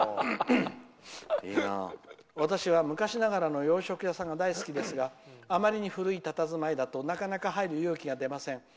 「私は昔ながらの洋食屋さんが大好きですがあまりに古いたたずまいだとなかなか入る勇気が出ません。